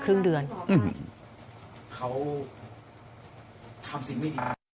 คือไม่ห่วงไม่หาวแล้วไป